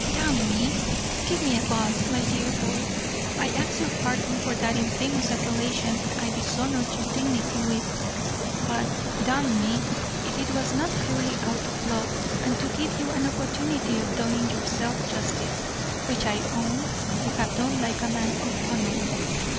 D n me, give me a buss, my dear boy; I ask your pardon for that infamous appellation I dishonoured your dignity with; but d n me if it was not purely out of love, and to give you an opportunity of doing yourself justice, which I own you have done like a man of honour.